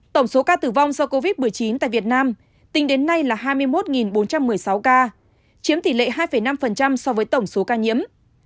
tổng số ca tử vong do covid một mươi chín tại việt nam tính đến nay là hai mươi một bốn trăm một mươi sáu ca chiếm tỷ lệ hai năm so với tổng số ca nhiễm